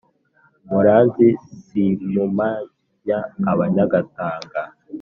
muranzi simpumanya abanyagatanga.